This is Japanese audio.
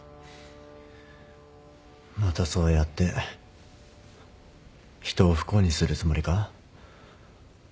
またそうやって人を不幸にするつもりか？